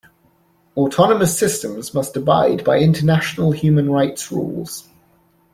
Autonomous systems must abide by international human rights rules.